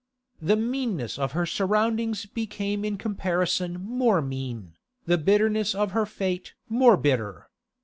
The meanness of her surroundings became in comparison more mean, the bitterness of her fate more bitter.